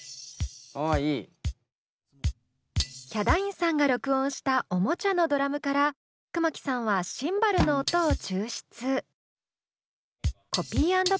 ヒャダインさんが録音したおもちゃのドラムから熊木さんはシンバルの音を抽出。